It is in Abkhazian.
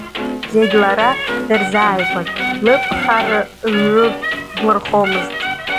Зегь лара дырзааигәан, лыԥхара рыглырхомызт.